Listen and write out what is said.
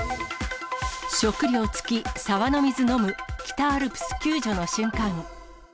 食料尽き、沢の水飲む、北アルプス救助の瞬間。